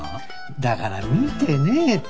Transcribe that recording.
だから見てねえって。